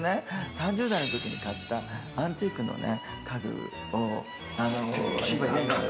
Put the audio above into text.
３０代のときに買ったアンティークのね、家具を。